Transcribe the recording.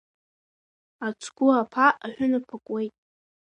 Ацгәы аԥа аҳәынаԥ акуеит…